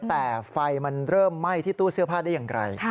แต่ไฟมันเริ่มไหม้ที่ตู้เสื้อผ้าได้อย่างไร